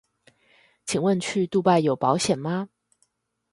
請問去杜拜有保險嗎